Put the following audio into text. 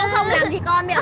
con không làm gì con